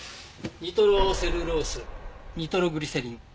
ニトロセルロースニトログリセリン。